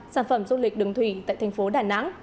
sản phẩm du lịch đường thủy tại thành phố đà nẵng